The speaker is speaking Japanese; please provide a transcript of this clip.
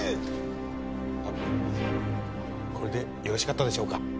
あっこれでよろしかったでしょうか？